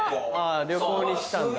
旅行に来たんだ。